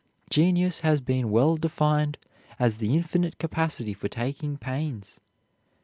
Genius has been well defined as the infinite capacity for taking pains.